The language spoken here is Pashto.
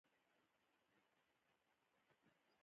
پاس بام ته ښکاره خټینې پوړۍ ختلې وې.